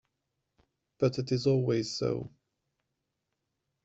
But it is always so.